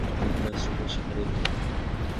যেখানে আশ্রয় পাই, সেখানে ঘুমাই।